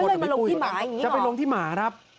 ก็เลยมาลงที่หมายังงี้เหรอ